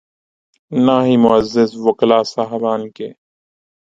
نہ ہی معزز وکلا صاحبان کے۔